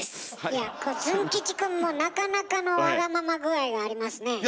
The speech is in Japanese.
いやズン吉くんもなかなかのワガママ具合がありますねえ。